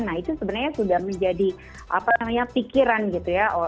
nah itu sebenarnya sudah menjadi pikiran gitu ya